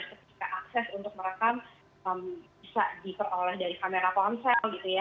ketika akses untuk merekam bisa diperoleh dari kamera ponsel gitu ya